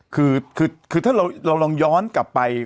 คือถ้าเราลองย้อนกลับไป